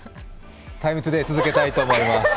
「ＴＩＭＥ，ＴＯＤＡＹ」続けたいと思います。